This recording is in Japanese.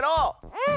うん！